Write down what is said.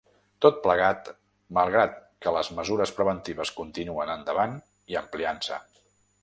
Tot plegat, malgrat que les mesures preventives continuen endavant i ampliant-se.